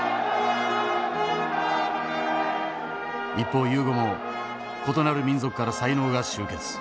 一方ユーゴも異なる民族から才能が集結。